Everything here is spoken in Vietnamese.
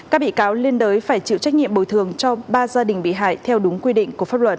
các bị cáo liên đới phải chịu trách nhiệm bồi thường cho ba gia đình bị hại theo đúng quy định của pháp luật